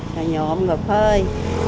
rồi nhộn ngực hơi